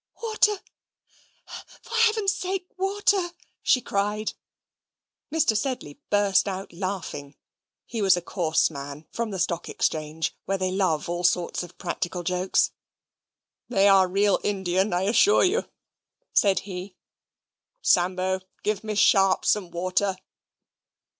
"Water, for Heaven's sake, water!" she cried. Mr. Sedley burst out laughing (he was a coarse man, from the Stock Exchange, where they love all sorts of practical jokes). "They are real Indian, I assure you," said he. "Sambo, give Miss Sharp some water."